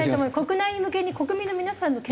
国内向けに国民の皆さんの健康を。